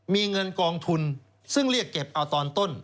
มีเงินกองทุนซึ่งเรียกเก็บเอาตอนต้น